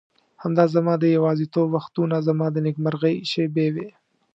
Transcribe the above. همدا زما د یوازیتوب وختونه زما د نېکمرغۍ شېبې وې.